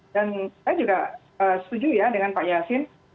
dan saya juga setuju ya dengan pak yasin